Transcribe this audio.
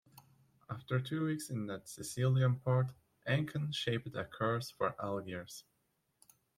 After two weeks in that Sicilian port, "Ancon" shaped a course for Algiers.